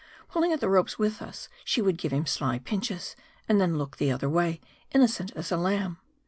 Pulling at the ropes with us, she would give him sly pinches, and then look another way, innocent as a lamb.